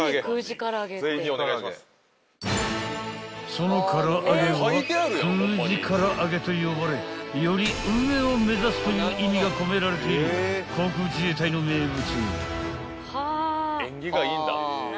［その唐揚げは空自空上げと呼ばれより上を目指すという意味が込められている航空自衛隊の名物］